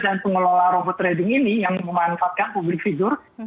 dan pengelola robot trading ini yang memanfaatkan public figure